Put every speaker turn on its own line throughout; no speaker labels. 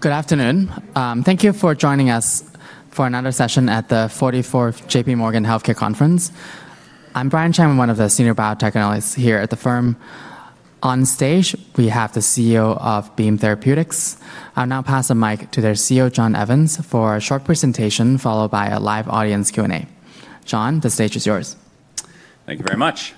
Good afternoon. Thank you for joining us for another session at the 44th J.P. Morgan Healthcare Conference. I'm Brian Cheng, one of the senior biotechnologists here at the firm. On stage, we have the CEO of Beam Therapeutics. I'll now pass the mic to their CEO, John Evans, for a short presentation followed by a live audience Q&A. John, the stage is yours.
Thank you very much.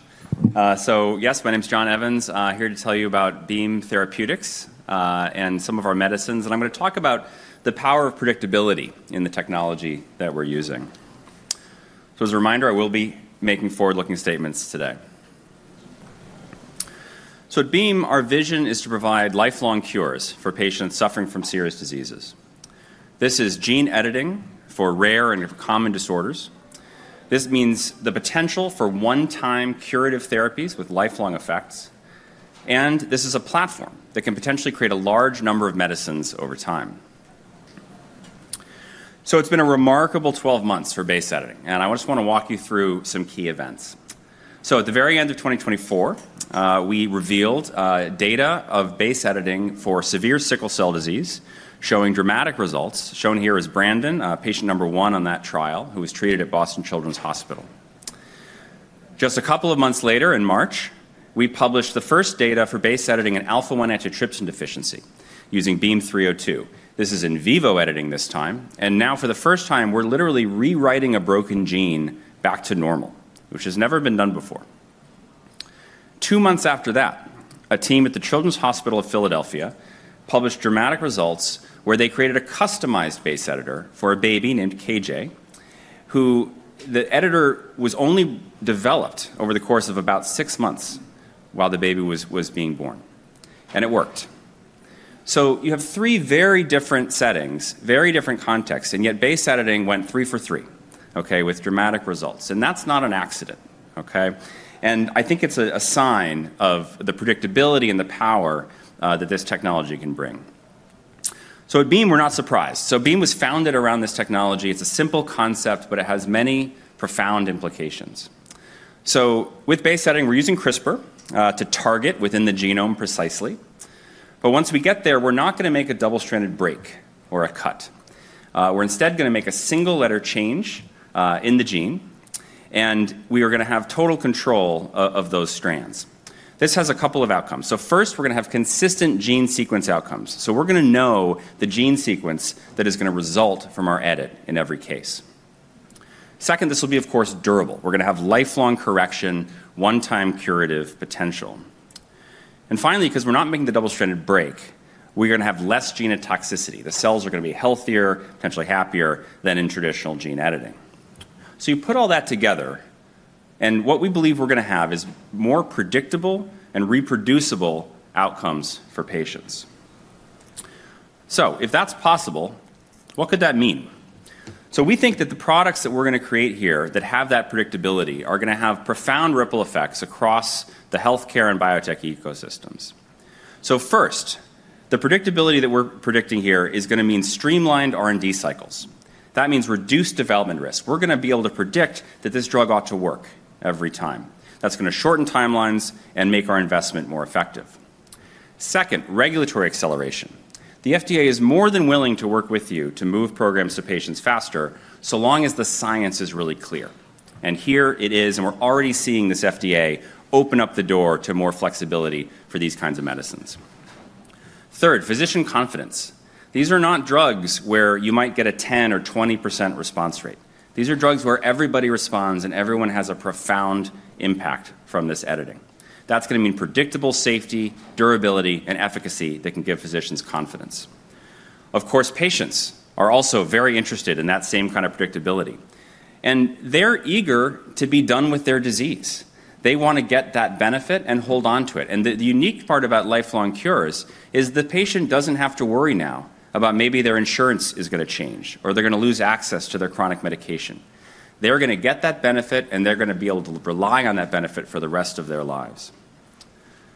So yes, my name is John Evans. I'm here to tell you about Beam Therapeutics and some of our medicines. And I'm going to talk about the power of predictability in the technology that we're using. So as a reminder, I will be making forward-looking statements today. So at Beam, our vision is to provide lifelong cures for patients suffering from serious diseases. This is gene editing for rare and common disorders. This means the potential for one-time curative therapies with lifelong effects. And this is a platform that can potentially create a large number of medicines over time. So it's been a remarkable 12 months for base editing. And I just want to walk you through some key events. So at the very end of 2024, we revealed data of base editing for severe sickle cell disease, showing dramatic results. Shown here is Brandon, patient number one on that trial, who was treated at Boston Children's Hospital. Just a couple of months later, in March, we published the first data for base editing in alpha-1 antitrypsin deficiency using BEAM-302. This is in vivo editing this time. And now, for the first time, we're literally rewriting a broken gene back to normal, which has never been done before. Two months after that, a team at the Children's Hospital of Philadelphia published dramatic results where they created a customized base editor for a baby named KJ, who the editor was only developed over the course of about six months while the baby was being born. And it worked. So you have three very different settings, very different contexts. And yet base editing went three for three, with dramatic results. And that's not an accident. And I think it's a sign of the predictability and the power that this technology can bring. So at Beam, we're not surprised. So Beam was founded around this technology. It's a simple concept, but it has many profound implications. So with base editing, we're using CRISPR to target within the genome precisely. But once we get there, we're not going to make a double-stranded break or a cut. We're instead going to make a single-letter change in the gene. And we are going to have total control of those strands. This has a couple of outcomes. So first, we're going to have consistent gene sequence outcomes. So we're going to know the gene sequence that is going to result from our edit in every case. Second, this will be, of course, durable. We're going to have lifelong correction, one-time curative potential. And finally, because we're not making the double-stranded break, we're going to have less genotoxicity. The cells are going to be healthier, potentially happier than in traditional gene editing. So you put all that together. And what we believe we're going to have is more predictable and reproducible outcomes for patients. So if that's possible, what could that mean? So we think that the products that we're going to create here that have that predictability are going to have profound ripple effects across the healthcare and biotech ecosystems. So first, the predictability that we're predicting here is going to mean streamlined R&D cycles. That means reduced development risk. We're going to be able to predict that this drug ought to work every time. That's going to shorten timelines and make our investment more effective. Second, regulatory acceleration. The FDA is more than willing to work with you to move programs to patients faster so long as the science is really clear. And here it is. And we're already seeing this FDA open up the door to more flexibility for these kinds of medicines. Third, physician confidence. These are not drugs where you might get a 10% or 20% response rate. These are drugs where everybody responds and everyone has a profound impact from this editing. That's going to mean predictable safety, durability, and efficacy that can give physicians confidence. Of course, patients are also very interested in that same kind of predictability. And they're eager to be done with their disease. They want to get that benefit and hold on to it. And the unique part about lifelong cures is the patient doesn't have to worry now about maybe their insurance is going to change or they're going to lose access to their chronic medication. They're going to get that benefit. And they're going to be able to rely on that benefit for the rest of their lives.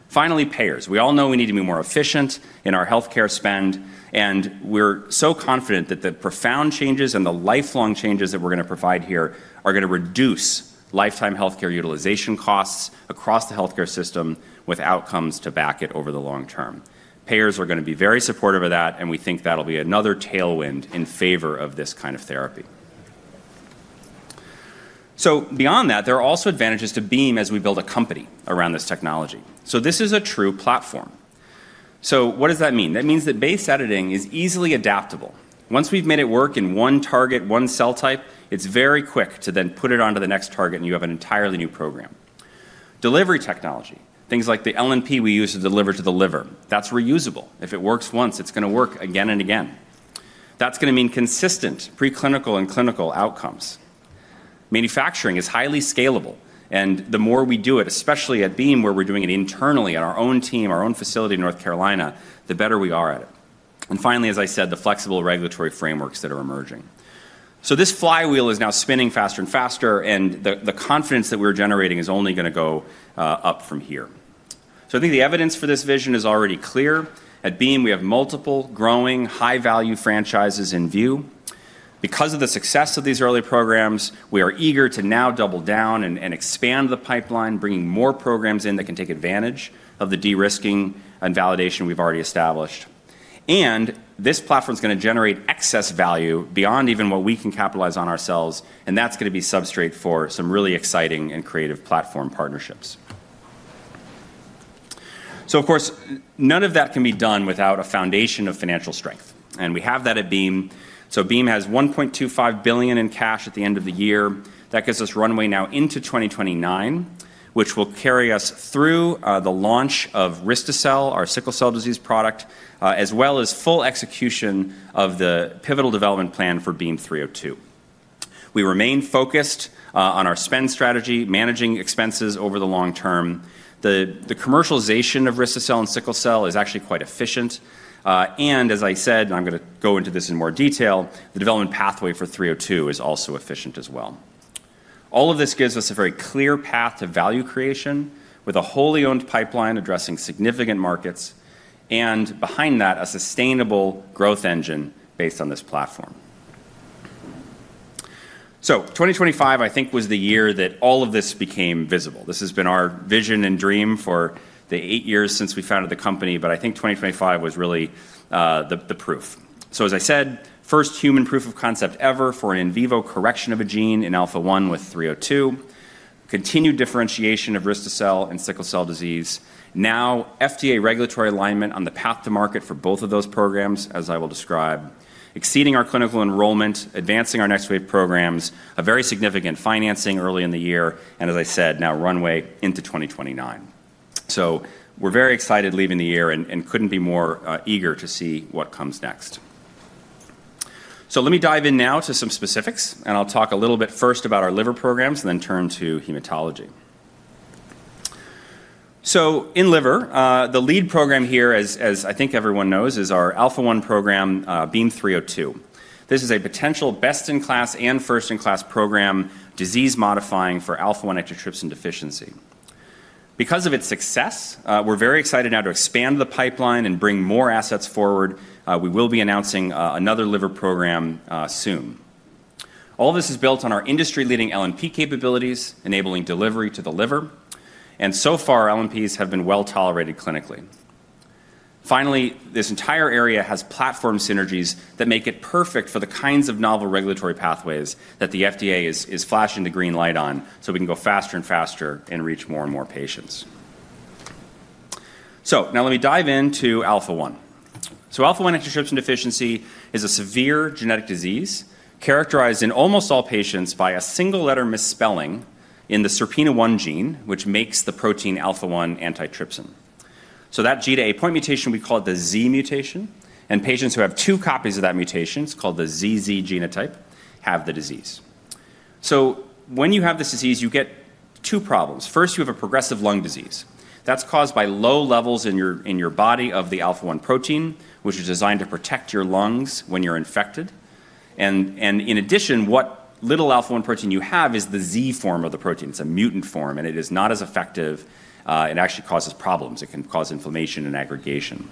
Finally, payers. We all know we need to be more efficient in our healthcare spend. And we're so confident that the profound changes and the lifelong changes that we're going to provide here are going to reduce lifetime healthcare utilization costs across the healthcare system with outcomes to back it over the long term. Payers are going to be very supportive of that. And we think that'll be another tailwind in favor of this kind of therapy. So beyond that, there are also advantages to Beam as we build a company around this technology. So this is a true platform. So what does that mean? That means that base editing is easily adaptable. Once we've made it work in one target, one cell type, it's very quick to then put it onto the next target. And you have an entirely new program. Delivery technology, things like the LNP we use to deliver to the liver. That's reusable. If it works once, it's going to work again and again. That's going to mean consistent preclinical and clinical outcomes. Manufacturing is highly scalable. And the more we do it, especially at Beam, where we're doing it internally on our own team, our own facility in North Carolina, the better we are at it. And finally, as I said, the flexible regulatory frameworks that are emerging. So this flywheel is now spinning faster and faster. And the confidence that we're generating is only going to go up from here. So I think the evidence for this vision is already clear. At Beam, we have multiple growing high-value franchises in view. Because of the success of these early programs, we are eager to now double down and expand the pipeline, bringing more programs in that can take advantage of the de-risking and validation we've already established. And this platform is going to generate excess value beyond even what we can capitalize on ourselves. And that's going to be substrate for some really exciting and creative platform partnerships. So of course, none of that can be done without a foundation of financial strength. And we have that at Beam. So Beam has $1.25 billion in cash at the end of the year. That gives us runway now into 2029, which will carry us through the launch of Risto-cel, our sickle cell disease product, as well as full execution of the pivotal development plan for BEAM-302. We remain focused on our spend strategy, managing expenses over the long term. The commercialization of Risto-cel and sickle cell is actually quite efficient, and as I said, and I'm going to go into this in more detail, the development pathway for 302 is also efficient as well. All of this gives us a very clear path to value creation with a wholly owned pipeline addressing significant markets, and behind that, a sustainable growth engine based on this platform, so 2025, I think, was the year that all of this became visible. This has been our vision and dream for the eight years since we founded the company, but I think 2025 was really the proof. So as I said, first human proof of concept ever for an in vivo correction of a gene in alpha-1 with 302, continued differentiation of Risto-cel and sickle cell disease. Now, FDA regulatory alignment on the path to market for both of those programs, as I will describe, exceeding our clinical enrollment, advancing our next wave programs, a very significant financing early in the year, and as I said, now runway into 2029. So we're very excited leaving the year and couldn't be more eager to see what comes next. So let me dive in now to some specifics, and I'll talk a little bit first about our liver programs and then turn to hematology. So in liver, the lead program here, as I think everyone knows, is our alpha-1 program, BEAM-302. This is a potential best-in-class and first-in-class program, disease-modifying for alpha-1 antitrypsin deficiency. Because of its success, we're very excited now to expand the pipeline and bring more assets forward. We will be announcing another liver program soon. All this is built on our industry-leading LNP capabilities, enabling delivery to the liver. And so far, LNPs have been well tolerated clinically. Finally, this entire area has platform synergies that make it perfect for the kinds of novel regulatory pathways that the FDA is flashing the green light on so we can go faster and faster and reach more and more patients. So now let me dive into alpha-1. So alpha-1 antitrypsin deficiency is a severe genetic disease characterized in almost all patients by a single-letter misspelling in the SERPINA1 gene, which makes the protein alpha-1 antitrypsin. So that G to A point mutation, we call it the Z mutation. And patients who have two copies of that mutation, it's called the ZZ genotype, have the disease. So when you have this disease, you get two problems. First, you have a progressive lung disease. That's caused by low levels in your body of the alpha-1 protein, which is designed to protect your lungs when you're infected. And in addition, what little alpha-1 protein you have is the Z form of the protein. It's a mutant form. And it is not as effective. It actually causes problems. It can cause inflammation and aggregation.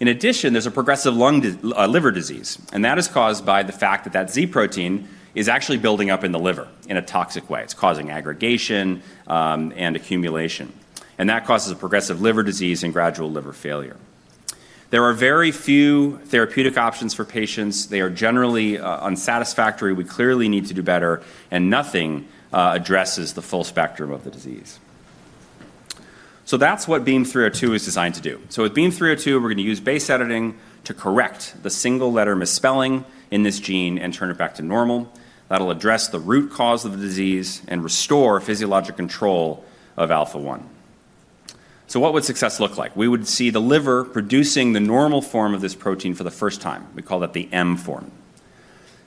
In addition, there's a progressive liver disease. And that is caused by the fact that that Z protein is actually building up in the liver in a toxic way. It's causing aggregation and accumulation. And that causes a progressive liver disease and gradual liver failure. There are very few therapeutic options for patients. They are generally unsatisfactory. We clearly need to do better. And nothing addresses the full spectrum of the disease. So that's what BEAM-302 is designed to do. So with BEAM-302, we're going to use base editing to correct the single-letter misspelling in this gene and turn it back to normal. That'll address the root cause of the disease and restore physiologic control of alpha-1. So what would success look like? We would see the liver producing the normal form of this protein for the first time. We call that the M form.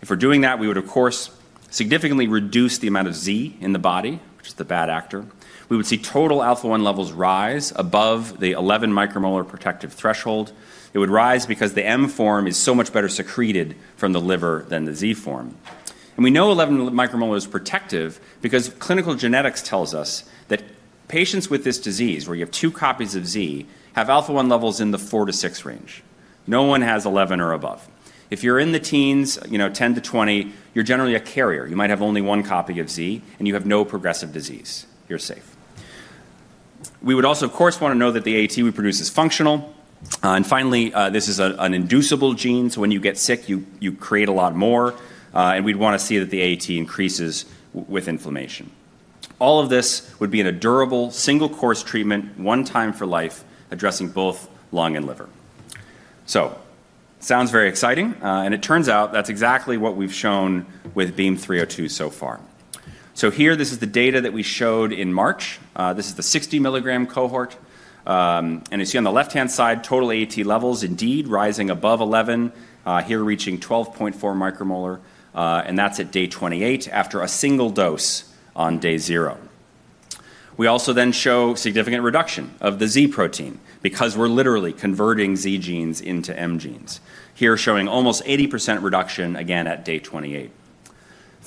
If we're doing that, we would, of course, significantly reduce the amount of Z in the body, which is the bad actor. We would see total alpha-1 levels rise above the 11-micromolar protective threshold. It would rise because the M form is so much better secreted from the liver than the Z form. And we know 11 micromolar is protective because clinical genetics tells us that patients with this disease where you have two copies of Z have alpha-1 levels in the four to six range. No one has 11 or above. If you're in the teens, 10-20, you're generally a carrier. You might have only one copy of Z. And you have no progressive disease. You're safe. We would also, of course, want to know that the AT we produce is functional. And finally, this is an inducible gene. So when you get sick, you create a lot more. And we'd want to see that the AT increases with inflammation. All of this would be in a durable single-course treatment, one time for life, addressing both lung and liver. So it sounds very exciting. And it turns out that's exactly what we've shown with BEAM-302 so far. So here, this is the data that we showed in March. This is the 60 mg cohort. And you see on the left-hand side, total AT levels indeed rising above 11, here reaching 12.4 micromolar. And that's at day 28 after a single dose on day zero. We also then show significant reduction of the Z protein because we're literally converting Z genes into M genes, here showing almost 80% reduction again at day 28.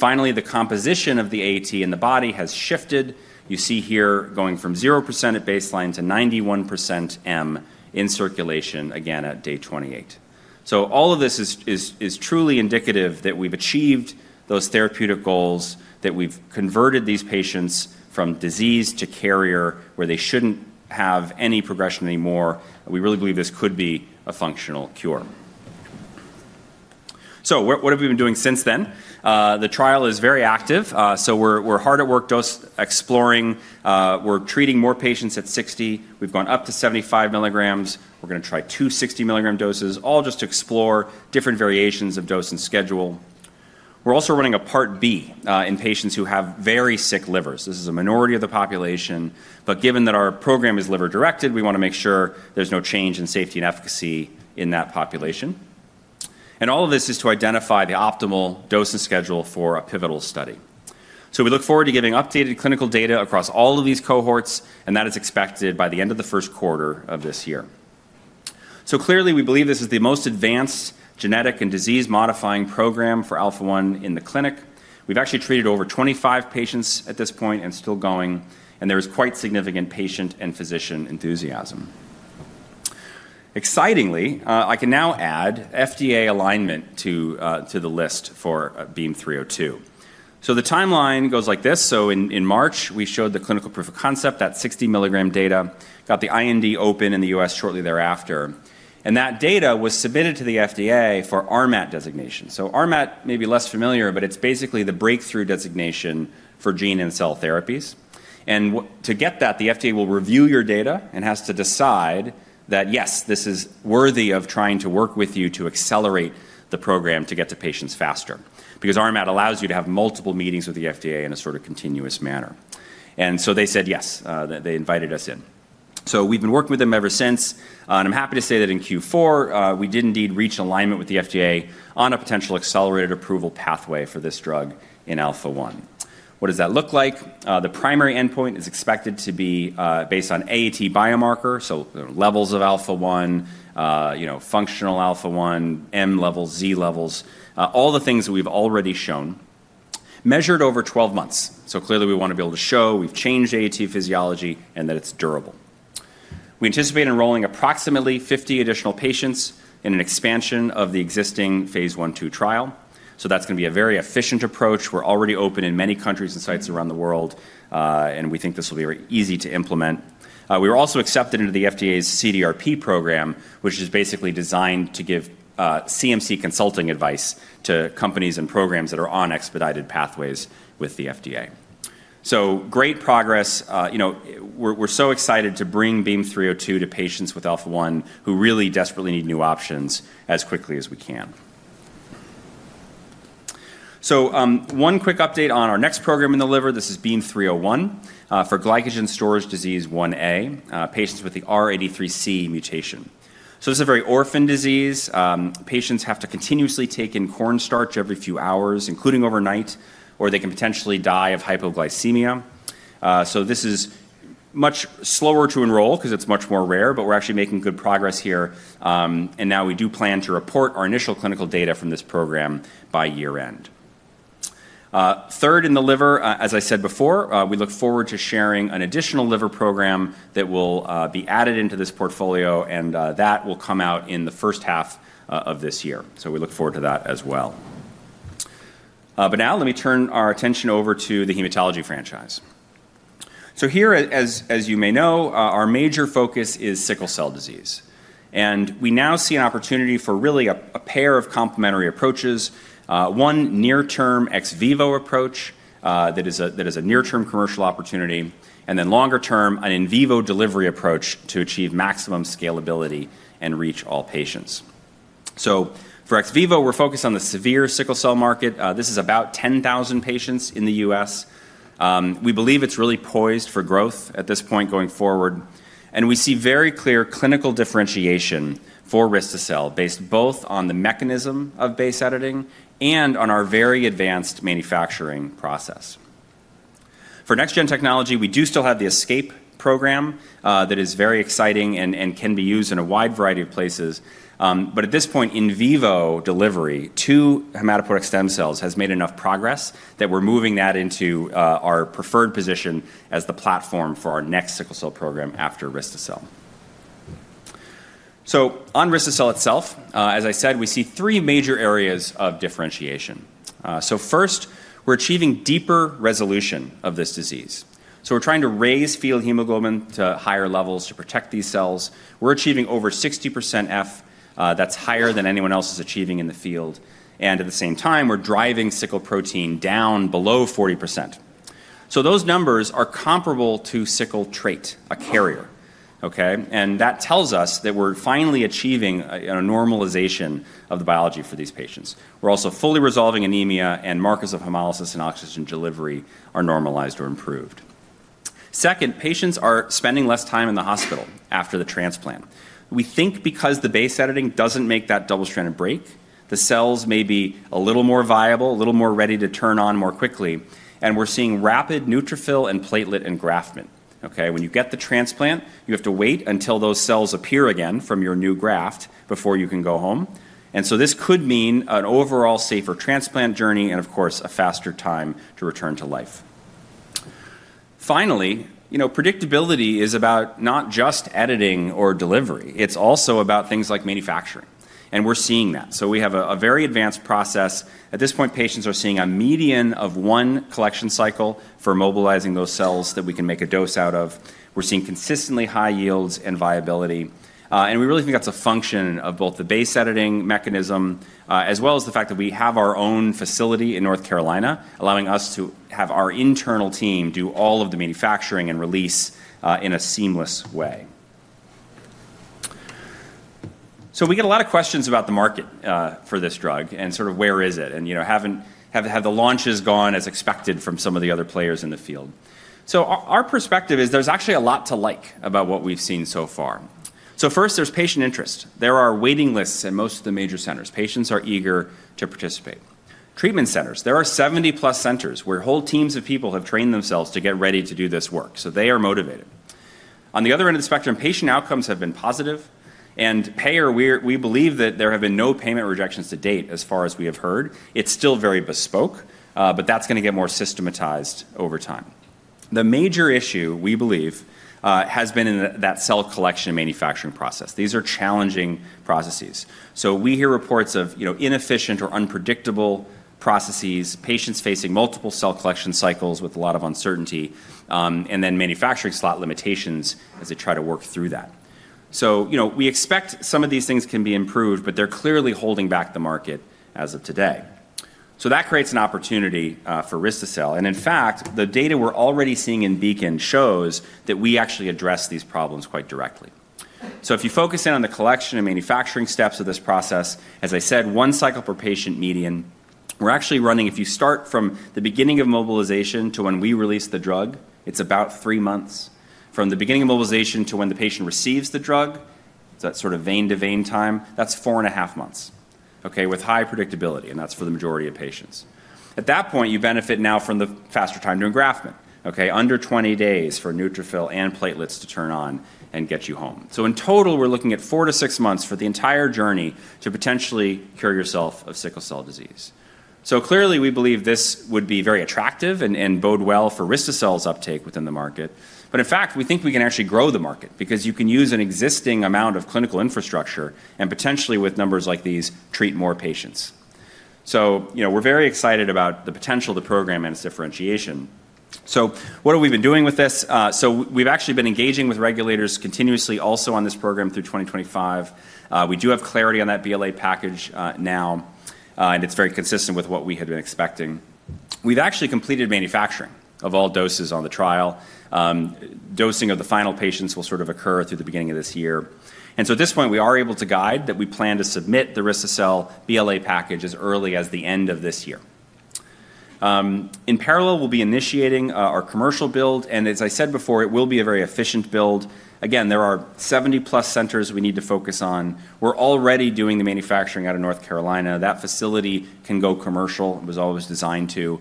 Finally, the composition of the AT in the body has shifted. You see here going from 0% at baseline to 91% M in circulation again at day 28. So all of this is truly indicative that we've achieved those therapeutic goals, that we've converted these patients from disease to carrier where they shouldn't have any progression anymore. We really believe this could be a functional cure. So what have we been doing since then? The trial is very active, so we're hard at work exploring. We're treating more patients at 60. We've gone up to 75 mg. We're going to try two 60 mg doses, all just to explore different variations of dose and schedule. We're also running a Part B in patients who have very sick livers. This is a minority of the population, but given that our program is liver-directed, we want to make sure there's no change in safety and efficacy in that population, and all of this is to identify the optimal dose and schedule for a pivotal study. We look forward to getting updated clinical data across all of these cohorts, and that is expected by the end of the first quarter of this year. Clearly, we believe this is the most advanced genetic and disease-modifying program for alpha-1 in the clinic. We've actually treated over 25 patients at this point and still going. And there is quite significant patient and physician enthusiasm. Excitingly, I can now add FDA alignment to the list for BEAM-302. So the timeline goes like this. So in March, we showed the clinical proof of concept, that 60 mg data, got the IND open in the U.S. shortly thereafter. And that data was submitted to the FDA for RMAT designation. So RMAT may be less familiar. But it's basically the breakthrough designation for gene and cell therapies. And to get that, the FDA will review your data and has to decide that, yes, this is worthy of trying to work with you to accelerate the program to get to patients faster because RMAT allows you to have multiple meetings with the FDA in a sort of continuous manner. And so they said yes. They invited us in. So we've been working with them ever since. And I'm happy to say that in Q4, we did indeed reach alignment with the FDA on a potential accelerated approval pathway for this drug in alpha-1. What does that look like? The primary endpoint is expected to be based on AT biomarker, so levels of alpha-1, functional alpha-1, M levels, Z levels, all the things we've already shown, measured over 12 months. So clearly, we want to be able to show we've changed AT physiology and that it's durable. We anticipate enrolling approximately 50 additional patients in an expansion of the existing phase I/II trial. So that's going to be a very efficient approach. We're already open in many countries and sites around the world. And we think this will be very easy to implement. We were also accepted into the FDA's CDRP program, which is basically designed to give CMC consulting advice to companies and programs that are on expedited pathways with the FDA. So great progress. We're so excited to bring BEAM-302 to patients with alpha-1 who really desperately need new options as quickly as we can. So one quick update on our next program in the liver. This is BEAM-301 for glycogen storage disease Ia, patients with the R83C mutation. So this is a very orphan disease. Patients have to continuously take in cornstarch every few hours, including overnight, or they can potentially die of hypoglycemia. So this is much slower to enroll because it's much more rare. But we're actually making good progress here. And now we do plan to report our initial clinical data from this program by year-end. Third in the liver, as I said before, we look forward to sharing an additional liver program that will be added into this portfolio. And that will come out in the first half of this year. So we look forward to that as well. But now let me turn our attention over to the hematology franchise. So here, as you may know, our major focus is sickle cell disease. And we now see an opportunity for really a pair of complementary approaches, one near-term ex vivo approach that is a near-term commercial opportunity, and then longer-term an in vivo delivery approach to achieve maximum scalability and reach all patients. So for ex vivo, we're focused on the severe sickle cell market. This is about 10,000 patients in the U.S. We believe it's really poised for growth at this point going forward. We see very clear clinical differentiation for Risto-cel based both on the mechanism of base editing and on our very advanced manufacturing process. For next-gen technology, we do still have the ESCAPE program that is very exciting and can be used in a wide variety of places. But at this point, in vivo delivery to hematopoietic stem cells has made enough progress that we're moving that into our preferred position as the platform for our next sickle cell program after Risto-cel. On Risto-cel itself, as I said, we see three major areas of differentiation. First, we're achieving deeper resolution of this disease. We're trying to raise fetal hemoglobin to higher levels to protect these cells. We're achieving over 60% F, that's higher than anyone else is achieving in the field. And at the same time, we're driving sickle protein down below 40%. So those numbers are comparable to sickle trait, a carrier. And that tells us that we're finally achieving a normalization of the biology for these patients. We're also fully resolving anemia. And markers of hemolysis and oxygen delivery are normalized or improved. Second, patients are spending less time in the hospital after the transplant. We think because the base editing doesn't make that double-stranded break, the cells may be a little more viable, a little more ready to turn on more quickly. And we're seeing rapid neutrophil and platelet engraftment. When you get the transplant, you have to wait until those cells appear again from your new graft before you can go home. And so this could mean an overall safer transplant journey and, of course, a faster time to return to life. Finally, predictability is about not just editing or delivery. It's also about things like manufacturing. And we're seeing that. So we have a very advanced process. At this point, patients are seeing a median of one collection cycle for mobilizing those cells that we can make a dose out of. We're seeing consistently high yields and viability. And we really think that's a function of both the base editing mechanism as well as the fact that we have our own facility in North Carolina allowing us to have our internal team do all of the manufacturing and release in a seamless way. So we get a lot of questions about the market for this drug and sort of where is it and have the launches gone as expected from some of the other players in the field. So our perspective is there's actually a lot to like about what we've seen so far. So first, there's patient interest. There are waiting lists in most of the major centers. Patients are eager to participate. Treatment centers, there are 70-plus centers where whole teams of people have trained themselves to get ready to do this work, so they are motivated. On the other end of the spectrum, patient outcomes have been positive, and payer, we believe that there have been no payment rejections to date as far as we have heard. It's still very bespoke, but that's going to get more systematized over time. The major issue, we believe, has been in that cell collection manufacturing process. These are challenging processes. So we hear reports of inefficient or unpredictable processes, patients facing multiple cell collection cycles with a lot of uncertainty, and then manufacturing slot limitations as they try to work through that, so we expect some of these things can be improved. But they're clearly holding back the market as of today. So that creates an opportunity for Risto-cel. And in fact, the data we're already seeing in Beam shows that we actually address these problems quite directly. So if you focus in on the collection and manufacturing steps of this process, as I said, one cycle per patient median, we're actually running if you start from the beginning of mobilization to when we release the drug, it's about three months. From the beginning of mobilization to when the patient receives the drug, that sort of vein-to-vein time, that's four and a half months with high predictability. And that's for the majority of patients. At that point, you benefit now from the faster time to engraftment, under 20 days for neutrophil and platelets to turn on and get you home. So in total, we're looking at four to six months for the entire journey to potentially cure yourself of sickle cell disease. So clearly, we believe this would be very attractive and bode well for Risto-cel's uptake within the market. But in fact, we think we can actually grow the market because you can use an existing amount of clinical infrastructure and potentially, with numbers like these, treat more patients. So we're very excited about the potential of the program and its differentiation. So what have we been doing with this? So we've actually been engaging with regulators continuously also on this program through 2025. We do have clarity on that BLA package now. And it's very consistent with what we had been expecting. We've actually completed manufacturing of all doses on the trial. Dosing of the final patients will sort of occur through the beginning of this year. And so at this point, we are able to guide that we plan to submit the Risto-cel BLA package as early as the end of this year. In parallel, we'll be initiating our commercial build. And as I said before, it will be a very efficient build. Again, there are 70-plus centers we need to focus on. We're already doing the manufacturing out of North Carolina. That facility can go commercial. It was always designed to.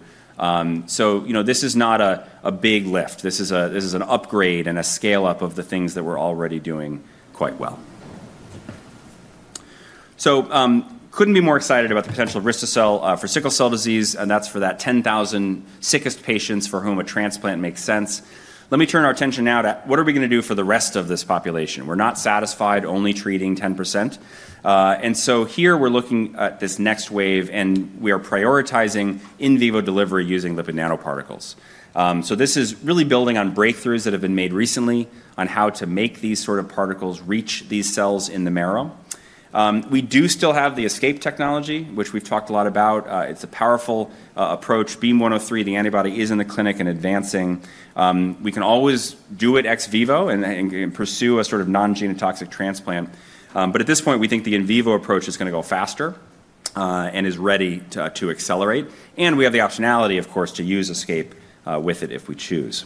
So this is not a big lift. This is an upgrade and a scale-up of the things that we're already doing quite well. So couldn't be more excited about the potential of Risto-cel for sickle cell disease. And that's for that 10,000 sickest patients for whom a transplant makes sense. Let me turn our attention now to what are we going to do for the rest of this population? We're not satisfied only treating 10%, and so here we're looking at this next wave and we are prioritizing in vivo delivery using lipid nanoparticles, so this is really building on breakthroughs that have been made recently on how to make these sort of particles reach these cells in the marrow. We do still have the ESCAPE technology, which we've talked a lot about. It's a powerful approach. BEAM-103, the antibody, is in the clinic and advancing. We can always do it ex vivo and pursue a sort of non-genotoxic transplant, but at this point we think the in vivo approach is going to go faster and is ready to accelerate, and we have the optionality, of course, to use ESCAPE with it if we choose.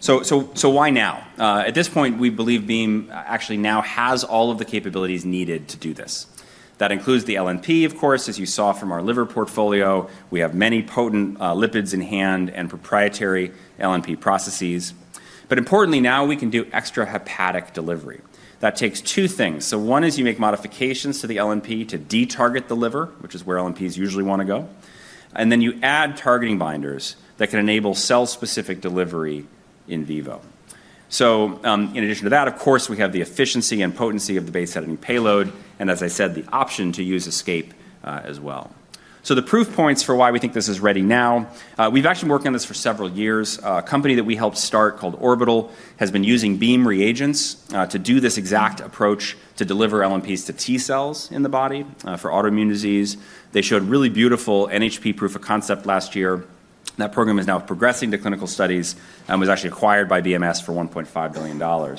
So why now? At this point, we believe Beam actually now has all of the capabilities needed to do this. That includes the LNP, of course, as you saw from our liver portfolio. We have many potent lipids in hand and proprietary LNP processes. But importantly, now we can do extrahepatic delivery. That takes two things. So one is you make modifications to the LNP to detarget the liver, which is where LNPs usually want to go. And then you add targeting binders that can enable cell-specific delivery in vivo. So in addition to that, of course, we have the efficiency and potency of the base editing payload. And as I said, the option to use ESCAPE as well. So the proof points for why we think this is ready now. We've actually been working on this for several years. A company that we helped start called Orbital has been using Beam reagents to do this exact approach to deliver LNPs to T cells in the body for autoimmune disease. They showed really beautiful NHP proof of concept last year. That program is now progressing to clinical studies and was actually acquired by BMS for $1.5 billion.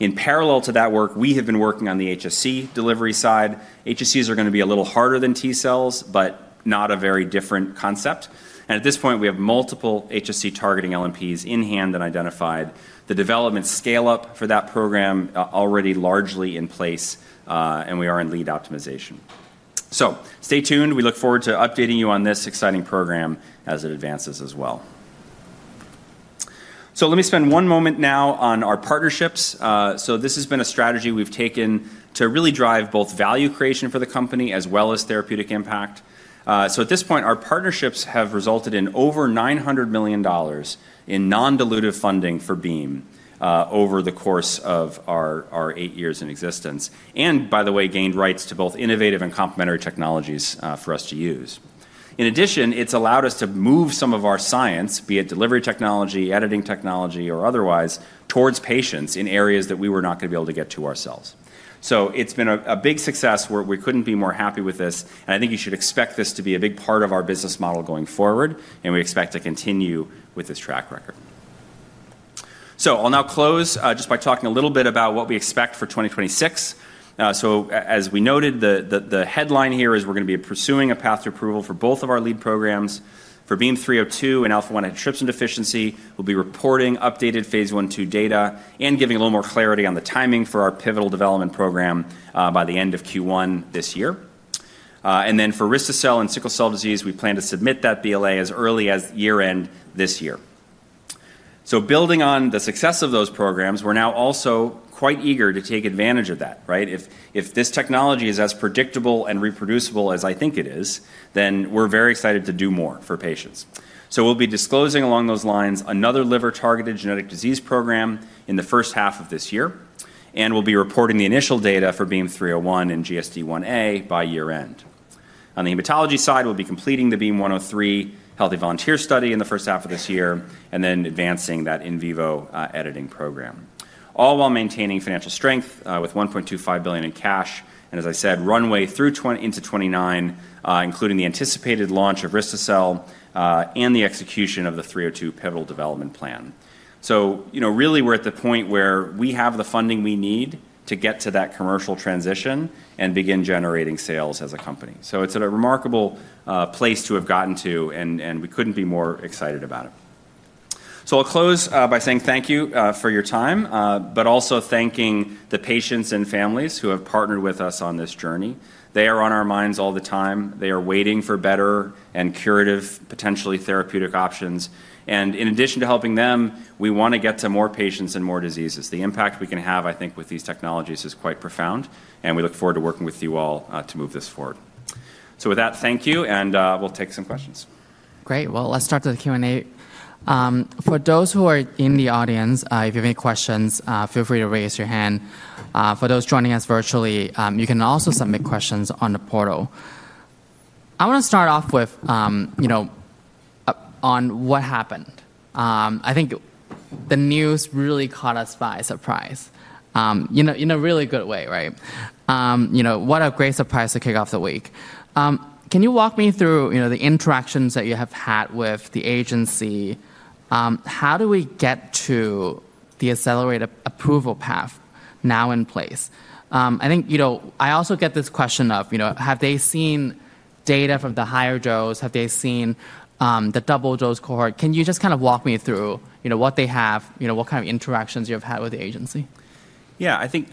In parallel to that work, we have been working on the HSC delivery side. HSCs are going to be a little harder than T cells, but not a very different concept and at this point, we have multiple HSC targeting LNPs in hand and identified. The development scale-up for that program is already largely in place and we are in lead optimization, so stay tuned. We look forward to updating you on this exciting program as it advances as well, so let me spend one moment now on our partnerships. This has been a strategy we've taken to really drive both value creation for the company as well as therapeutic impact. At this point, our partnerships have resulted in over $900 million in non-dilutive funding for Beam over the course of our eight years in existence and, by the way, gained rights to both innovative and complementary technologies for us to use. In addition, it's allowed us to move some of our science, be it delivery technology, editing technology, or otherwise, towards patients in areas that we were not going to be able to get to ourselves. It's been a big success. We couldn't be more happy with this. I think you should expect this to be a big part of our business model going forward. We expect to continue with this track record. I'll now close just by talking a little bit about what we expect for 2026. As we noted, the headline here is we're going to be pursuing a path to approval for both of our lead programs. For BEAM-302 and alpha-1 antitrypsin deficiency, we'll be reporting updated phase I/II data and giving a little more clarity on the timing for our pivotal development program by the end of Q1 this year. For Risto-cel and sickle cell disease, we plan to submit that BLA as early as year-end this year. Building on the success of those programs, we're now also quite eager to take advantage of that. If this technology is as predictable and reproducible as I think it is, then we're very excited to do more for patients. We'll be disclosing along those lines another liver-targeted genetic disease program in the first half of this year. We'll be reporting the initial data for BEAM-301 and GSDIa by year-end. On the hematology side, we'll be completing the BEAM-103 healthy volunteer study in the first half of this year and then advancing that in vivo editing program, all while maintaining financial strength with $1.25 billion in cash and, as I said, runway through into 2029, including the anticipated launch of Risto-cel and the execution of the 302 pivotal development plan. Really, we're at the point where we have the funding we need to get to that commercial transition and begin generating sales as a company. It's a remarkable place to have gotten to. We couldn't be more excited about it. So I'll close by saying thank you for your time, but also thanking the patients and families who have partnered with us on this journey. They are on our minds all the time. They are waiting for better and curative, potentially therapeutic options. And in addition to helping them, we want to get to more patients and more diseases. The impact we can have, I think, with these technologies is quite profound. And we look forward to working with you all to move this forward. So with that, thank you. And we'll take some questions.
Great. Well, let's start the Q&A. For those who are in the audience, if you have any questions, feel free to raise your hand. For those joining us virtually, you can also submit questions on the portal. I want to start off with on what happened. I think the news really caught us by surprise in a really good way. What a great surprise to kick off the week. Can you walk me through the interactions that you have had with the agency? How do we get to the accelerated approval path now in place? I think I also get this question of, have they seen data from the higher dose? Have they seen the double-dose cohort? Can you just kind of walk me through what they have, what kind of interactions you have had with the agency?
Yeah. I think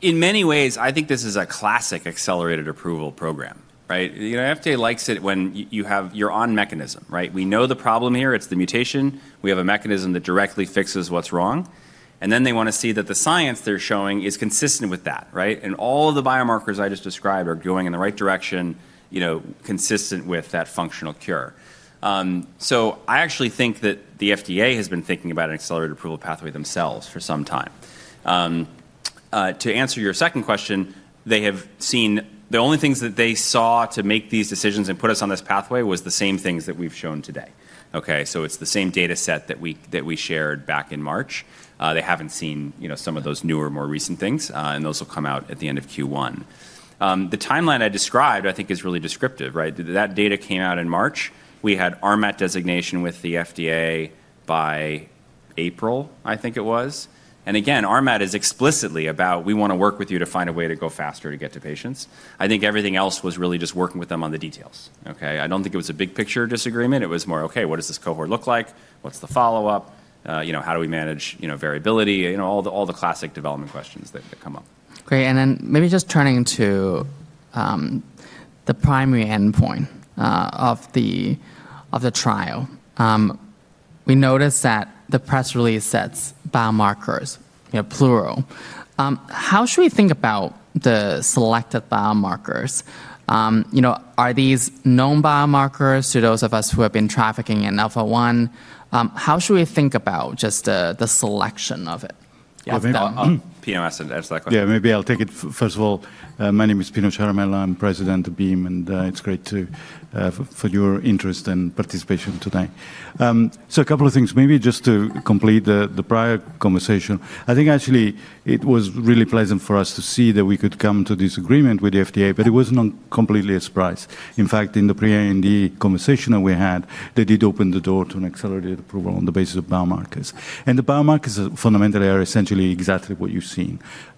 in many ways, I think this is a classic accelerated approval program. FDA likes it when you have your own mechanism. We know the problem here. It's the mutation. We have a mechanism that directly fixes what's wrong, and then they want to see that the science they're showing is consistent with that, and all of the biomarkers I just described are going in the right direction, consistent with that functional cure, so I actually think that the FDA has been thinking about an accelerated approval pathway themselves for some time. To answer your second question, they have seen the only things that they saw to make these decisions and put us on this pathway was the same things that we've shown today, so it's the same data set that we shared back in March. They haven't seen some of those newer, more recent things. Those will come out at the end of Q1. The timeline I described, I think, is really descriptive. That data came out in March. We had RMAT designation with the FDA by April, I think it was. And again, RMAT is explicitly about, we want to work with you to find a way to go faster to get to patients. I think everything else was really just working with them on the details. I don't think it was a big picture disagreement. It was more, OK, what does this cohort look like? What's the follow-up? How do we manage variability? All the classic development questions that come up.
Great, and then maybe just turning to the primary endpoint of the trial. We noticed that the press release says biomarkers, plural. How should we think about the selected biomarkers? Are these known biomarkers to those of us who have been trafficking in alpha-1? How should we think about just the selection of it?
Yeah. Maybe I'll take it. First of all, my name is Pino Ciaramella. I'm President of Beam, and it's great for your interest and participation today, so a couple of things, maybe just to complete the prior conversation. I think actually it was really pleasant for us to see that we could come to this agreement with the FDA, but it wasn't completely a surprise. In fact, in the pre-IND conversation that we had, they did open the door to an accelerated approval on the basis of biomarkers, and the biomarkers fundamentally are essentially exactly what you've seen.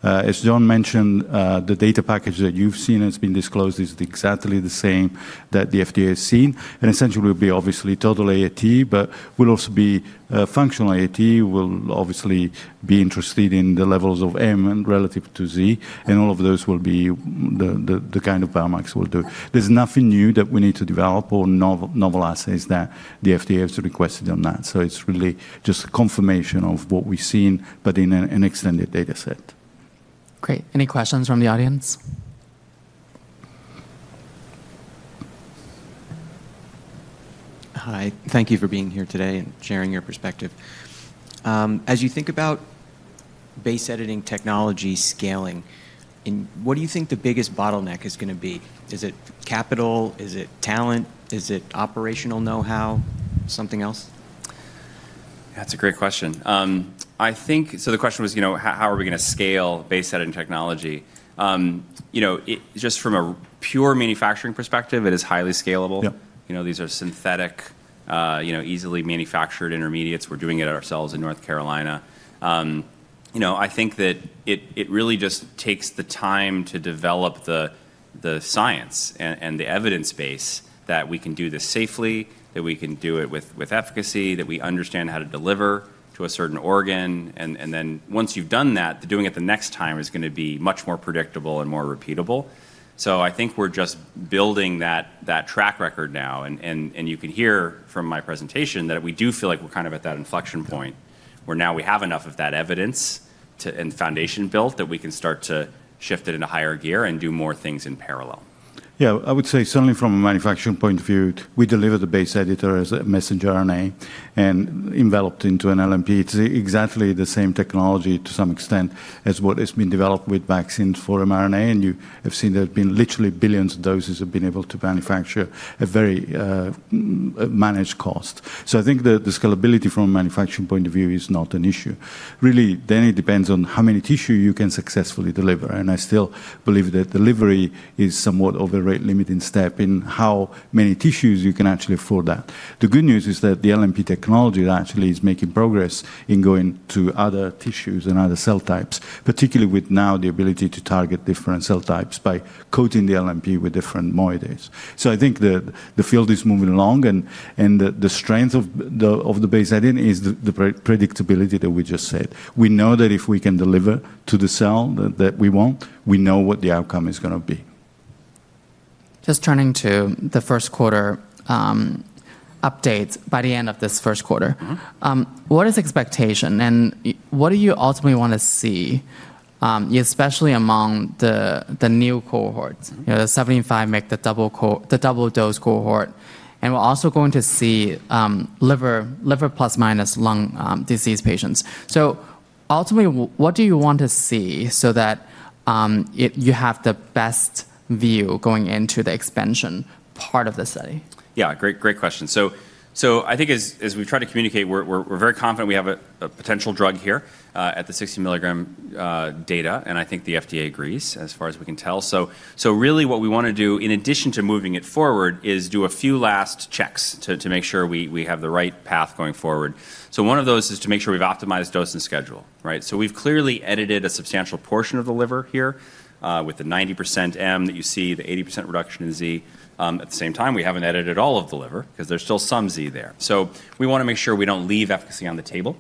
As John mentioned, the data package that you've seen has been disclosed is exactly the same that the FDA has seen, and essentially, we'll be obviously totally AT, but we'll also be functional AT. We'll obviously be interested in the levels of M relative to Z. All of those will be the kind of biomarkers we'll do. There's nothing new that we need to develop or novel assays that the FDA has requested on that. It's really just a confirmation of what we've seen, but in an extended data set.
Great. Any questions from the audience? Hi. Thank you for being here today and sharing your perspective. As you think about base editing technology scaling, what do you think the biggest bottleneck is going to be? Is it capital? Is it talent? Is it operational know-how? Something else?
Yeah. That's a great question. So the question was, how are we going to scale base editing technology? Just from a pure manufacturing perspective, it is highly scalable. These are synthetic, easily manufactured intermediates. We're doing it ourselves in North Carolina. I think that it really just takes the time to develop the science and the evidence base that we can do this safely, that we can do it with efficacy, that we understand how to deliver to a certain organ. And then once you've done that, doing it the next time is going to be much more predictable and more repeatable. So I think we're just building that track record now. You can hear from my presentation that we do feel like we're kind of at that inflection point where now we have enough of that evidence and foundation built that we can start to shift it into higher gear and do more things in parallel.
Yeah. I would say certainly from a manufacturing point of view, we deliver the base editor as a messenger RNA and enveloped into an LNP. It's exactly the same technology to some extent as what has been developed with vaccines for mRNA. And you have seen there have been literally billions of doses have been able to manufacture at very managed cost. So I think the scalability from a manufacturing point of view is not an issue. Really, then it depends on how many tissues you can successfully deliver. And I still believe that delivery is somewhat of a rate-limiting step in how many tissues you can actually afford that. The good news is that the LNP technology actually is making progress in going to other tissues and other cell types, particularly with now the ability to target different cell types by coating the LNP with different moieties. I think the field is moving along. The strength of the base editing is the predictability that we just said. We know that if we can deliver to the cell that we want, we know what the outcome is going to be.
Just turning to the first quarter updates by the end of this first quarter, what is expectation? And what do you ultimately want to see, especially among the new cohorts? The 75 make the double-dose cohort. And we're also going to see liver plus minus lung disease patients. So ultimately, what do you want to see so that you have the best view going into the expansion part of the study?
Yeah. Great question, so I think as we try to communicate, we're very confident we have a potential drug here at the 60 mg data, and I think the FDA agrees as far as we can tell. So really, what we want to do in addition to moving it forward is do a few last checks to make sure we have the right path going forward. So one of those is to make sure we've optimized dose and schedule. So we've clearly edited a substantial portion of the liver here with the 90% M that you see, the 80% reduction in Z. At the same time, we haven't edited all of the liver because there's still some Z there. So we want to make sure we don't leave efficacy on the table,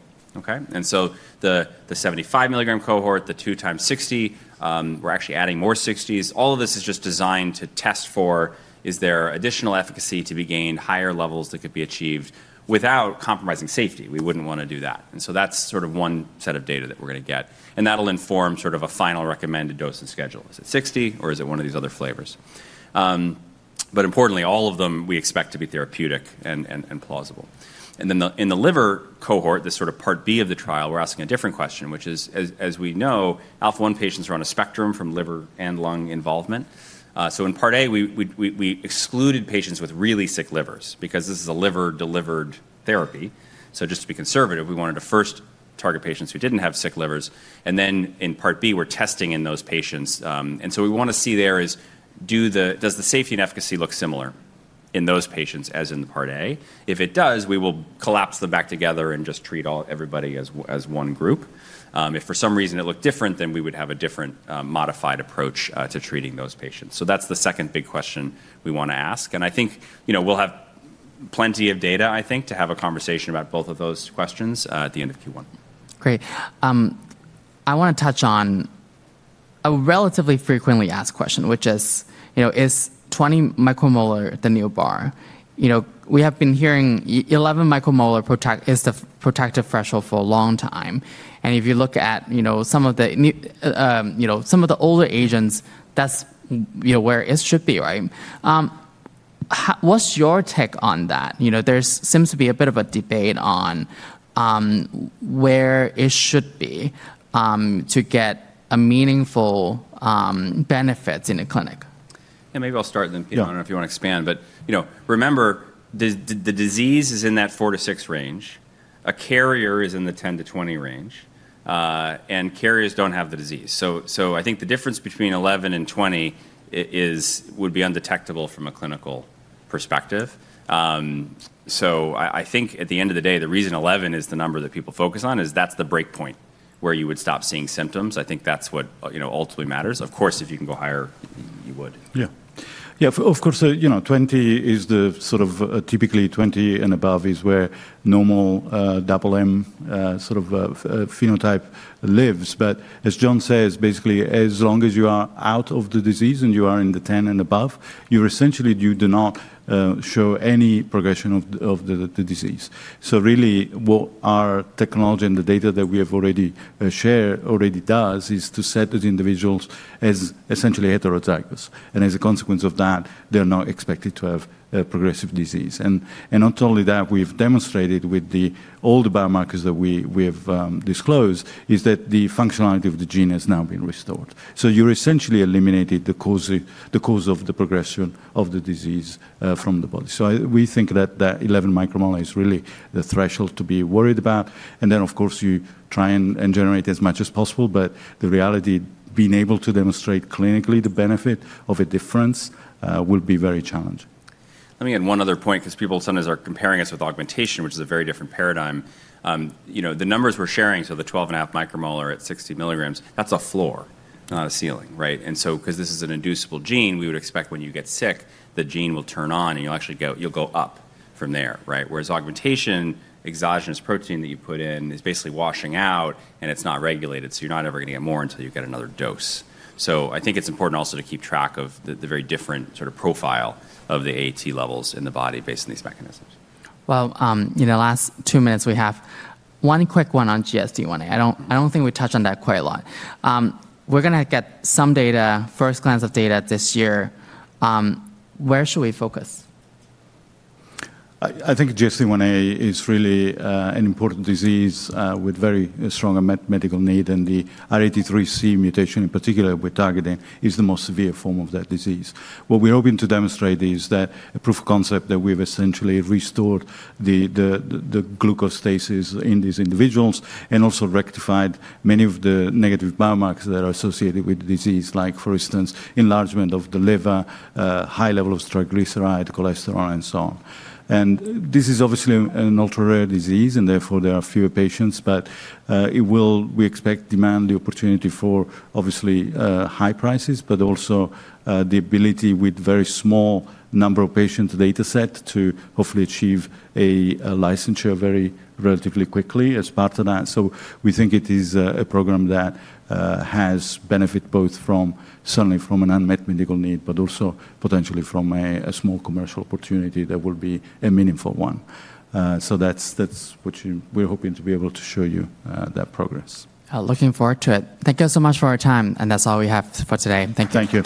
and so the 75 mg cohort, the two times 60, we're actually adding more 60s. All of this is just designed to test for, is there additional efficacy to be gained, higher levels that could be achieved without compromising safety? We wouldn't want to do that. And so that's sort of one set of data that we're going to get. And that'll inform sort of a final recommended dose and schedule. Is it 60, or is it one of these other flavors? But importantly, all of them we expect to be therapeutic and plausible. And then in the liver cohort, this sort of part B of the trial, we're asking a different question, which is, as we know, alpha-1 patients are on a spectrum from liver and lung involvement. So in part A, we excluded patients with really sick livers because this is a liver-delivered therapy. So just to be conservative, we wanted to first target patients who didn't have sick livers. And then in part B, we're testing in those patients. And so we want to see there is, does the safety and efficacy look similar in those patients as in the part A? If it does, we will collapse them back together and just treat everybody as one group. If for some reason it looked different, then we would have a different modified approach to treating those patients. So that's the second big question we want to ask. And I think we'll have plenty of data, I think, to have a conversation about both of those questions at the end of Q1.
Great. I want to touch on a relatively frequently asked question, which is, is 20 micromolar the new bar? We have been hearing 11 micromolar is the protective threshold for a long time. And if you look at some of the older agents, that's where it should be. What's your take on that? There seems to be a bit of a debate on where it should be to get meaningful benefits in a clinic.
Yeah. Maybe I'll start then, Pino, and if you want to expand, but remember, the disease is in that four to six range. A carrier is in the 10-20 range, and carriers don't have the disease. So I think the difference between 11 and 20 would be undetectable from a clinical perspective, so I think at the end of the day, the reason 11 is the number that people focus on is that's the breakpoint where you would stop seeing symptoms. I think that's what ultimately matters. Of course, if you can go higher, you would.
Yeah. Yeah. Of course, 20 is the sort of, typically, 20 and above is where normal double M sort of phenotype lives, but as John says, basically, as long as you are out of the disease and you are in the 10 and above, you essentially do not show any progression of the disease, so really, what our technology and the data that we have already shared does is to set these individuals as essentially heterozygous, and as a consequence of that, they're not expected to have progressive disease, and not only that, we've demonstrated with the old biomarkers that we have disclosed is that the functionality of the gene has now been restored, so you essentially eliminated the cause of the progression of the disease from the body, so we think that 11 micromolar is really the threshold to be worried about. And then, of course, you try and generate as much as possible. But the reality, being able to demonstrate clinically the benefit of a difference will be very challenging.
Let me add one other point because people sometimes are comparing us with augmentation, which is a very different paradigm. The numbers we're sharing, so the 12 and a half micromolar at 60 mg, that's a floor, not a ceiling. And so because this is an inducible gene, we would expect when you get sick, the gene will turn on. And you'll actually go up from there. Whereas augmentation, exogenous protein that you put in is basically washing out. And it's not regulated. So you're not ever going to get more until you get another dose. So I think it's important also to keep track of the very different sort of profile of the AT levels in the body based on these mechanisms.
In the last two minutes, we have one quick one on GSDIa. I don't think we touch on that quite a lot. We're going to get some data, first glance of data this year. Where should we focus?
I think GSDIa is really an important disease with very strong medical need. And the R83C mutation in particular we're targeting is the most severe form of that disease. What we're hoping to demonstrate is that a proof of concept that we've essentially restored the glucostasis in these individuals and also rectified many of the negative biomarkers that are associated with disease, like for instance, enlargement of the liver, high level of triglyceride, cholesterol, and so on. And this is obviously an ultra-rare disease. And therefore, there are fewer patients. But we expect demand, the opportunity for obviously high prices, but also the ability with very small number of patients' data set to hopefully achieve a licensure very relatively quickly as part of that. So we think it is a program that has benefit both certainly from an unmet medical need, but also potentially from a small commercial opportunity that will be a meaningful one. So that's what we're hoping to be able to show you that progress.
Looking forward to it. Thank you so much for our time, and that's all we have for today. Thank you.
Thank you.